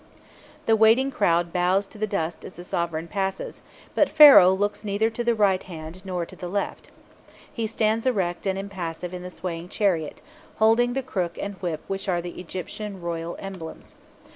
The waiting crowd bows to the dust as the sovereign passes; but Pharaoh looks neither to the right hand nor to the left. He stands erect and impassive in the swaying chariot, holding the crook and whip which are the Egyptian royal emblems.